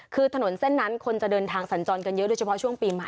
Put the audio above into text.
คือถนนเส้นนั้นคนจะเดินทางสัญจรกันเยอะโดยเฉพาะช่วงปีใหม่